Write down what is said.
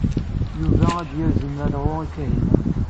Yuba ad yazen alɣu i Kahina.